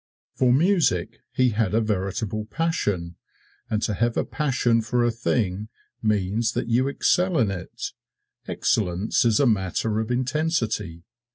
For music he had a veritable passion, and to have a passion for a thing means that you excel in it excellence is a matter of intensity.